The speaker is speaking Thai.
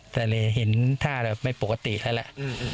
แต่เลยเห็นท่าแบบไม่ปกติแล้วแหละ